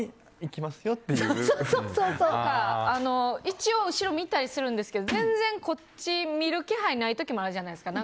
一応、後ろを見たりするんですけど全然、こっち見る気配ない時もあるじゃないですか。